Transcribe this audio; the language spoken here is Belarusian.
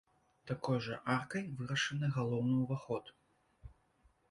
Такой жа аркай вырашаны галоўны ўваход.